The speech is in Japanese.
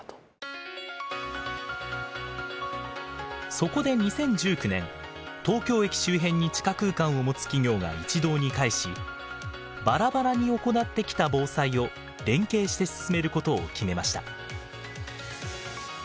そこで２０１９年東京駅周辺に地下空間を持つ企業が一堂に会しバラバラに行ってきた防災を連携して進めることを決めました。